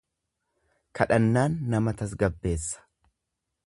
Kadhannaan nama tasgabbeessa.